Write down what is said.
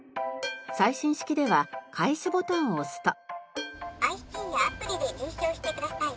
最新式では開始ボタンを押すと。